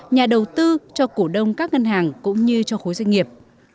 nhà đầu tư cho cổ đông các ngân hàng cũng như cho khối doanh nghiệp